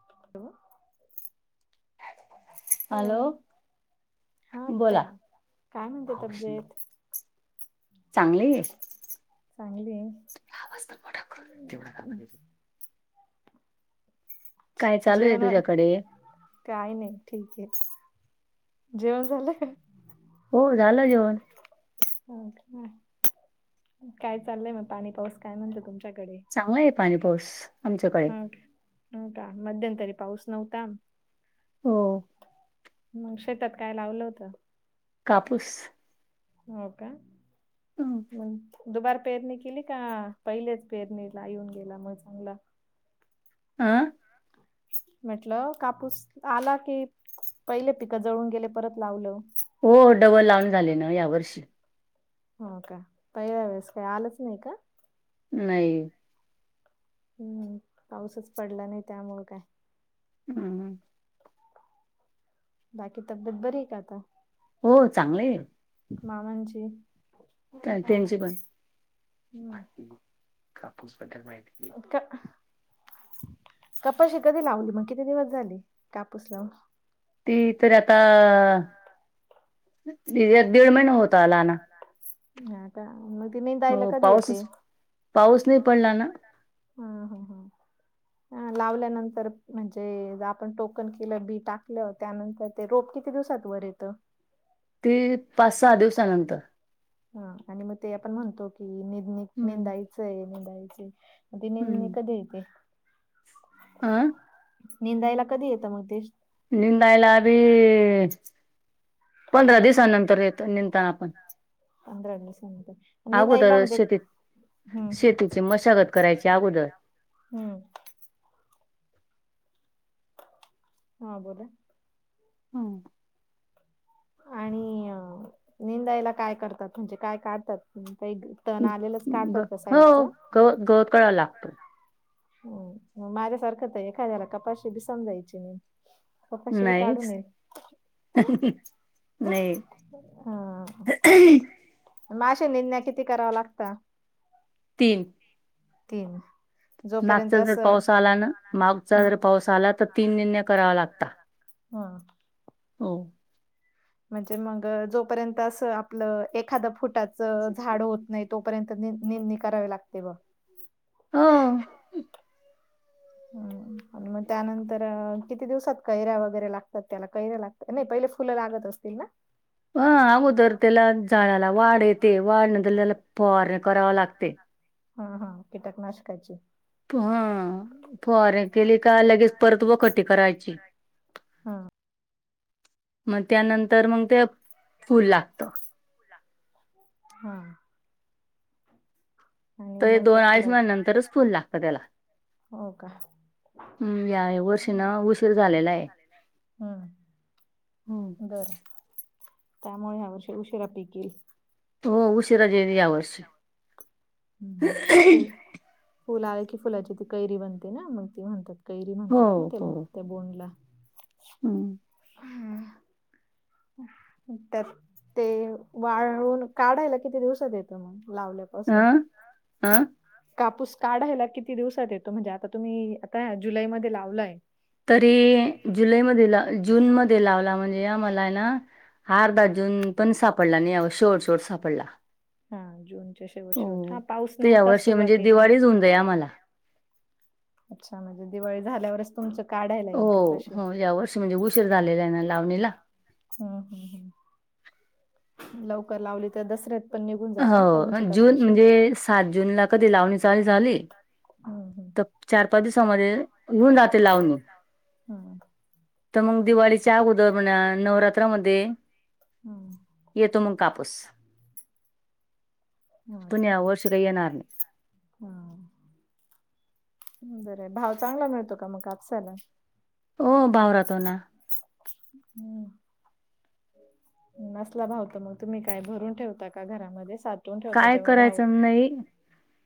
Hello! Hello, हा बोला आत्या, काय म्हणते तब्येत? चांगली आहे, चांगली आहे आवाज तर मोठा करून काय चालू आहे जेवण वैगरे? तुझ्याकडे काही नाही, ठीक आहे, जेवण झालं. हो, झालं जेवण. हो का? काय चाललंय मग? पाणी-पाऊस काय म्हणतंय तुमच्याकडे? चांगलाय पाणी-पाऊस. हं का, हं का? मध्यंतरी पाऊस नव्हता. हो. मग शेतात काय लावलं होतं? कापूस हो का? हं मग दुबार पेरणी केली का? पहिलेच पेरणी येऊन गेलं, मग चांगला... अं म्हटलं, कापूस आला की! पहिली पिकं जळून गेली, परत लावलं. हो, डबल लावून झालं ना यावर्षी? हो का? पहिल्यावेळेस काही आलंच नाही का? नाही. हं, पाऊसच पडला नाही, त्यामुळं काय... हं बाकी, तब्येत बरी आहे का आता? हो, चांगली आहे. मामांची? त्यांची पण हम्म कापूस बद्दल माहिती. का कपाशी कधी लावली मग किती दिवस झाली कापूस लावून. ती तर आता दीड महिना होत आला ना. हा का मग ती नेंदयला हो कधी येते? पाऊसच पाऊस नाही पडला ना. अ लावल्यानंतर म्हणजे आपण टोकन केलं बी टाकलं त्यानंतर. ते रोप किती दिवसात वर येत? ती पाच सहा दिवसानंतर हा आणि मग ते आपण म्हणतो की नि हम्म निंदायचंय निंदायचं. म तेे निमे कधी येते? हं निंदायला कधी येतं मग ते? निंदायला आभी पंधरा दिवसानंतर येतो निंदताना आपण पंधरा दिवसानंतर निंदायला अगोदर म्हणजे हम्म शेतीत शेतीची मशागत करायची अगोदर हम्म. हा बोला हम्म. आणि निंदायला काय करतात म्हणजे काय काढतात? टण आलेलंच काढ ग जात का हो साईडच गवत गवत कळावा लागतो हम्म माझ्यासारखं तर एखाद्याला कपाशी भी समजायची नाही कपाशी बी काढू नाहीच नये नाही. [unintelligible] मग असे निंदा किती करावा लागता? तीन. तीन जोपर्यंत मागचा जर असं पाऊस आला ना मागचा हा जर पाऊस आला तर तीन निंदण्या करावा लागता हम्म.. हो म्हणजे मग जोपर्यंत असं आपलं एखाद फुटाच झाड होत नाही तोपर्यंत निंदनी करावे लागते बग हा. हम्म मग त्यानंतर किती दिवसात कैऱ्या वगैरे लागतात त्याला कैराया लागतात? नाही पहिले फुलं लागत असतील ना? ह अगोदर त्याला झाडला वाढ येते वाढ नंतर त्याला फवार कराव लागते. हा हा कीटक नाशकाचे हा फवारे केली का लगेच परत वखटी करायची हा. मग त्यानंतर मग ते फूल लागतं हम्म. आणि तर मग दोन त्या अळीच फुलात म नंतरच फुल लागत त्याला हो का हम्म या वर्षी ना उशीर झालेला आहे हम्म हम्म. बरं त्यामुळे ह्या वर्षी उशिरा पिक येईल हो उशिराजे या वर्ष हम् फ फुल आहे की फुलाची ती कैरी बनते ना मग ती म्हणतात. कैरी हो, म्हणतात ना त्याला हो. त्या बोंडला. हम्म. हम्म. त्यात ते वाळून काढायला किती दिवसात येतो मग लावल्याव? असून हं. अ, अ, कापूस काढायला किती दिवसात येतो म्हणजे आता तुम्ही आता जुलैमध्ये लावलाय. तरी जुलैमध्ये ल जूनमध्ये लावला म्हणजे आम्हाला हाय ना? अर्धा हा जून पण सापडला नाही. या शेवट शेवट सापडला हा जूनच्या शेवट शेवट हा हो. पाऊस नव्ह तास सुरुवातीला ना? दया मला. अच्छा! म्हणजे दिवाळी झाल्यावरच तुमच कार्ड आहे. हो हो या वर्षी म्हणजे उशीर झालेला आहे ना लावणीला. हम हम हम. लवकर लावली तर दसऱ्यात पण निघून जाते ना काहींची हो जून कपाशी म्हणजे सात जूनला कधी लावणी चालू झाली. हम्म हम्म चार पाच दिवसा मध्ये ऊन जाते लावण मग. हम्म तर मंग दिवाळी च च्या उदर म्हणा नवरात्रामध्ये हम्म येतो मग कापूस. हा पण आता या वर्षी काही येणार नाही. [inaudible] हा. बराय भाव चांगला मिळतो का मग कापसाला? ओ हो भावरातो ना चांगला मिळतो. हम्म नसला भाव तर मग तुम्ही काय भरून ठेवता का घरामध्ये साच - - काय करायचं नही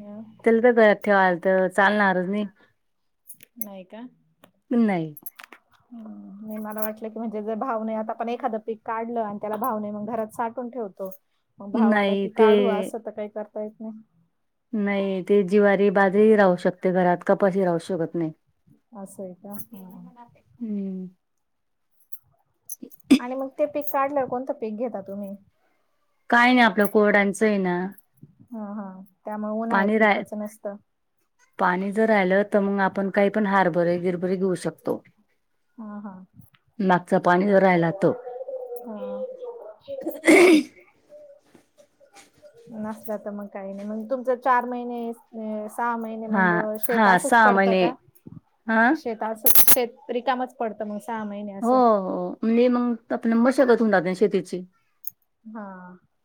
अ त्याला तर घरात ठेवायल तर चालणारच नही. नाही का? नाही नाही मला वाटलं की म्हणजे जर भावने आता पण एखादं पीक काढलं आणि त्याला भावने मग घरात साठून ठेवत मग भावाला नाही की काढू ते असं तर काही करता येत नाही. नाही ते जिवारी बाजारीही राहू शकते घरात कपशी राहू शकत नाही. होय का? हा. हम्म. [inaudible] आणि मग ते पीक काढलं, कोणतं पीक घेता तुम्ही? काय नाही, आपलं कोडांचं आहे ना. हा हा. त्यामुळ उन्हाळ्यात पाणी राय पिकचं नसतं. पाणी जर राहिलं तर मग आपण काही पण हारबरे गिरबरे घेऊ शकतो. हा हा मागचा पाणी जर राहिला [unintelligible] तो हा. नसला तर मग काही नाही म्हण तुमच चार महिने सहा महिने हा मग हा शेतासच सहा पडतं महिने का हा शेताच शेत रीकामचं पडतं मग सहा महिने असं हो [unintelligible] हा,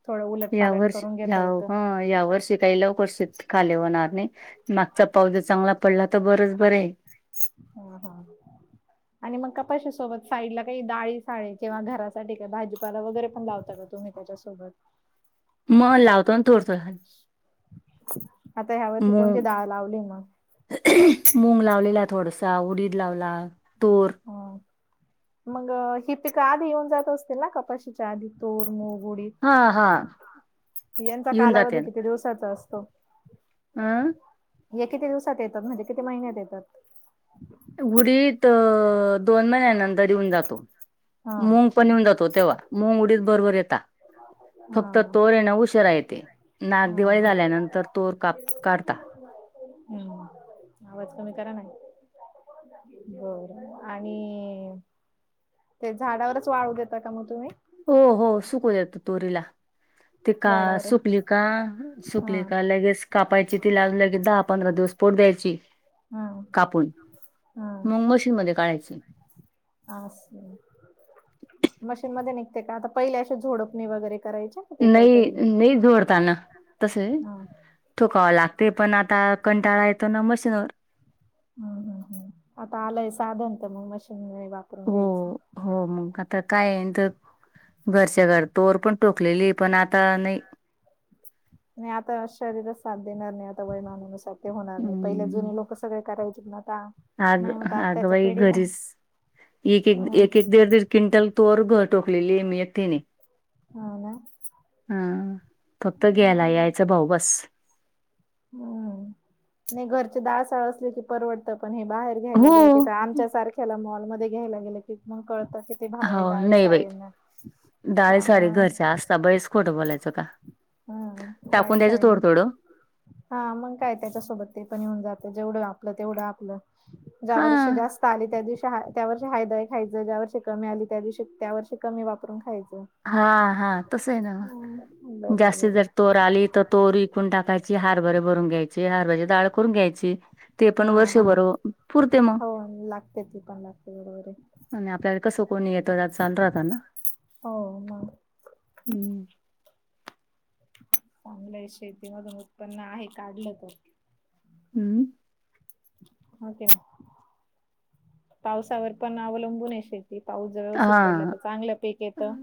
थोडं उलट या पालट वर्षी करून या घेता येतं. हं, या वर्षी काही लवकर शेत खाली होणार नाही, मागचा पाऊस जर चांगला पडला तर बरंच बरेय. हा हा. आणि मग कपाशी सोबत साईडला काही डाळी, साळी किंवा घरासाठी काही भाजीपाला वगैरे पण लावतातच. तुम्ही त्याच्यासोबत [inaudible] म लावतो ना थोडसं, आता ह्या वर्षी कोणती मग डाळ लावली मग मूंग लावलेला थोडसा, उडीद लावला, तूर. ह मग ही पिक आधी येऊन जात असतील ना, कपाशीच्या आधी तूर, मूग, उडीद. हां, हां. यांचा येऊन कालावधी किती दिवसाचा असतो? आं हे किती दिवसात येतात, म्हणजे किती महिन्यात येतात? उडीद, दोन महिन्यानंतर येऊन जातो. हा मुंग पण येेऊन जातो तेव्हा, मूंग, उडीद बरोबर येता. हा फक्त तोर येणं उशिरा येते नाग हा दिवाळी हा झाल्यानंतर तोर काप काढता. हम्म, आवाज कमी करा ना. बरं आणि, ते झाडावरच वाळू देता का मग तुम्ही हो हो सुकू देतो तोरीला. तीका झाडावर सुकली का, हा सुकली का लगेच कापायची तिला लगे दहा-पंधरा दिवस पोट द्यायची. हा कापून, हा मूंग मशीन मध्ये काढयचे. आसं, मशीन मध्ये निघते का आता पहिले अशे झोडपणी वगैरे करायचे. ते नाही, काहीतरी नाही, झोडताना तसे, हा हम्म थोकावं लागते पण आता, कंटाळा येतो ना मशीनवर हम्म हम्म हम्म आता आलंय साधन तर मग मशीनमध्ये वा हो हो आता काय आहे तर, घरच्या घर तोवर पण टोकलेली पण आता नाही नाही आता शरीरात साथ देणार नाही आता वयमानानुसार ते होणार नाही, पहिला जुनी हम्म. लोक सगळे करायचे ना आता आग नाही होत आत्ताच्या आगबाई पिढीला घरीच, एक-एक, ह एक-एक, दीड- दीड क्विंटल तोवर घ टोकलेली, मी एक तिनी. हो ना हम्म फक्त घ्यायला यायचं भाऊ बस. हम्म, नाही घरचे दाळ-साळ असले की परवडत पण हे बाहेर घ्यायला गेलं की हो हित आमच्या सारख्याला मॉलमध्ये घ्यायला गेलं की, मग कळतं की ते हो भावे-दावे नाही बाई साळींना, त्यामुळं खोट बोलायचं का? हम्म टाकून द्यायचं थोडं [unintelligible] थोडं हा मग काय, त्याच्यासोबत ते पण येऊन जातं जेवढं आपलं तेवढं आपलं. दहा हा वर्ष जास्त पाली त्या दिवशी हा, त्यावर्षी हायदय खायचं, ज्या वर्ष कमी आली त्या दिवशी, त्यावर्षी कमी वापरून खायचं. हा हा तसं आहे ना. हम्म जास्त बरोबर जर आहे तोर आली तर तोर विकून टाकायची हारभरे भरून घ्यायचे हारभरची डाळ करून घ्यायची. ते हा पण हा वर्षभर पुरते मग हो लागते ती पण लागते बरोबरं है आणि आपल्याला कसं कोणी येतं चालू राहत ना.... हो मग हम्म शेतीमधून उत्पन्न आहे का, घेतो? हम्म होके. पावसावर पण अवलंबून आहेे शेत. ते पाऊस जर व्यवस्थित पडला हा तर चांगलं पीक येतं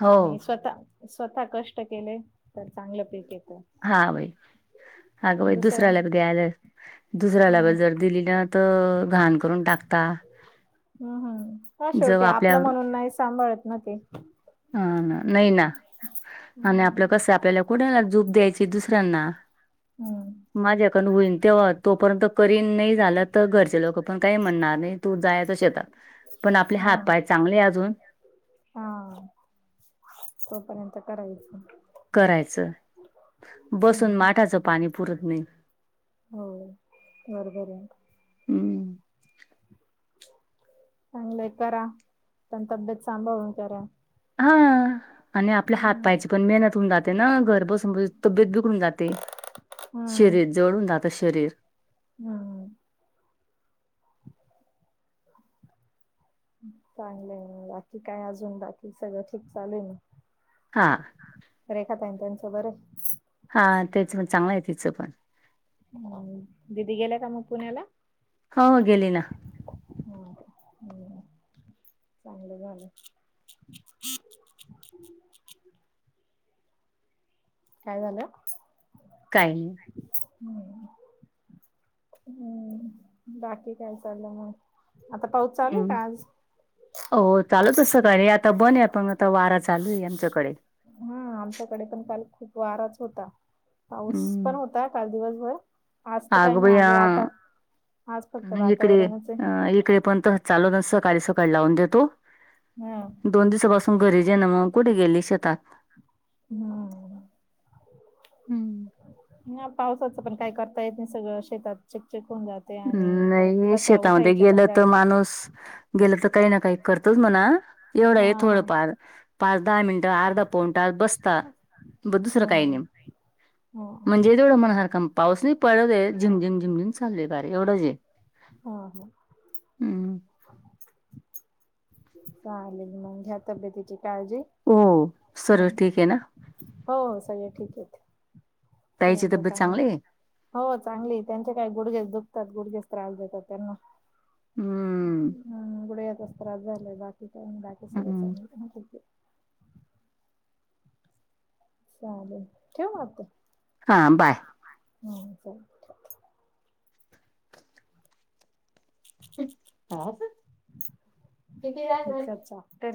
हो आणि स्वतः स्वतः कष्ट केले तर चांगलं पीक येतं. हा बाई अगं बाई दुसऱ्या दुसऱ्याला द्याला दुसऱ्याला ब हम्म जर दिली ना त घाण करून टाक हम् हम्म ह जव शेवटी आपलं आपल्यावर म्हणून नाही सांभाळत ना ते. ह ना नइ ना, आणि हम्म आपलं कसं आपल्याला कुणाला झूप द्यायची दुसऱ्यांना. हम्म माझ्याकून होईन तेव्हा तोपर्यंत करीन नाही झालं तर घरचे लोक पण काही म्हणणार नाही तू जायच शेतात पण आपले हा हात पाय चांगले अजून. हा तोपर्यंत करायचं. करायचं बसून हम्म माठाचं पाणी पुरत नाही. होय बरोबर आहे. हम्म चांगलंय करा पण तब्येत संभाळून करा. हा. आणि आपल्या हात हम्म पायची पण मेहनत होऊन जाते ना घर बसून बस तब्येत बिघडून जाते. हम्म पिरिड जोळून जात शरीर. हम् चांगलं आहे म बाकी काय अजून बाकी सगळं ठीक चालूय मग. हा रेखा ताई त्यांचं बर हाय. हा तेच म चांगलं आहे तिचं पण. ह दिदी गेल्या का मग पुण्याला? हा हो गेली ना. हा हम. चांगलं झालं. काय झालं. काही नाही. हम्म हम्म बाकी काय चाललं मग आता पाऊस चालू आहे हम्म. का आज? हो चालूच सकाळी आता बन आहे पण आता वारा चालू आहे आमच्याकडे. हा आमच्याकडे पण काल खूप वाराच होता. पाऊस हम्म. पण होता काल दिवसभर आज तर काय मी आ ह म इकडे ये वातावरणच आहे आ इकडे पण त चालू नस आसं सकाळी सकाळी लावून देतो. हा दोन दिवसापासून घरी जण मग कुठे गेलिस शेता. हम्म. ह पावसाचं पण काही करता येत नाही सगळं शेतात चीक चिक होऊन जात. हम् नाही शेतामध्ये गेलं जा त माणूस. गेलं तर काही ना काही करतच म्हणा एवढं हा आहे हा थोडंफार. पाच दहा मिनटं अर्धा पवून ता बसता. ब दुसर हा काय नेम हा म्हणजे हा तेवढं मणा हर कां पाऊस नाही पडत आहे झिमझिम झिमझिम चालू आहे बर एवढं जे. ह -ह- चालेल मग घ्या तब्येतीची काळजी हो सर्व हं. ठीक आहे ना? हो सगळ ठीक आहेत, ताईची सगळ्यांच तब्येत चांगलं आहे. चांगली हो चांगली त्यांचे काय गुडघेच दुखतात गुडघेच त्रास देतात त्यांना हम्म हम् गुडघ्याचाच त्रास झालंय बाकी काय नाही, बाकी सगळं हम्म. चांगले चालेल, ठेव मग आता? हां बाय. हम्म. किती जाल झालं. तेरी